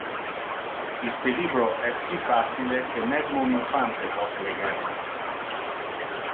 Iste libro es si facile que mesmo un infante pote leger lo.